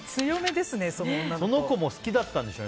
その子も好きだったんでしょうね。